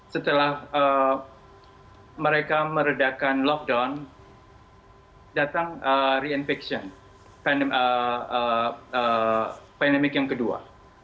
setelah mereka meredakan lockdown datang reinfection pandemi yang kedua